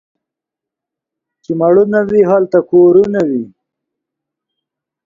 چي مړونه وي ، هلته کورونه وي.